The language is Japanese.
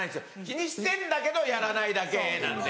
気にしてんだけどやらないだけなんで。